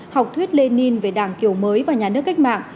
học thuyết lenin về đảng kiểu mới và nhà nước cách mạng